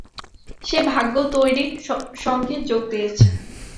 সে ভাগ্য তৈরির সংঘে যোগ দিয়েছে।